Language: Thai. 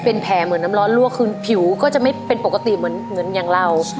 เป็นแผลเหมือนน้ำร้อนลวกคืนผิวก็จะไม่เป็นปกติเหมือนอย่างเรา